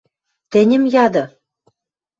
Тӹньӹм яды...